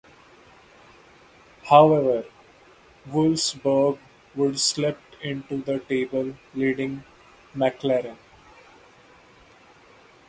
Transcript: However, Wolfsburg would slipped into the table, leading McClaren.